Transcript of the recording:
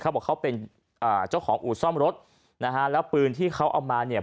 บอกเขาเป็นอ่าเจ้าของอู่ซ่อมรถนะฮะแล้วปืนที่เขาเอามาเนี่ย